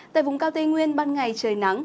tại vùng cao tây nguyên ban ngày trời nắng